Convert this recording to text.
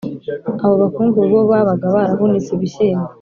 abo bakungu bo babaga barahunitse ibishyimbo